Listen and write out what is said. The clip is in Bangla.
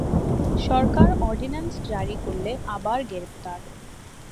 সরকার অর্ডিন্যান্স জারি করলে আবার গ্রেপ্তার।